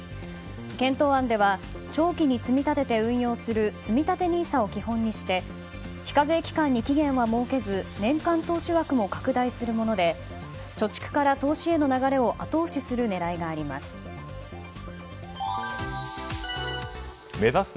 検討案では長期に積み立てて運用するつみたてＮＩＳＡを基本として非課税期間に期限は設けず年間投資額も拡大するもので貯蓄から投資への流れを後押しする狙いがあります。